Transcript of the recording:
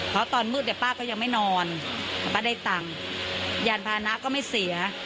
เพราะตอนมืดเนี่ยป้าก็ยังไม่นอนป้าได้ตังค์ยานพานะก็ไม่เสีย